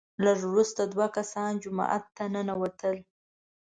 لږ وروسته دوه کسان جومات ته ننوتل،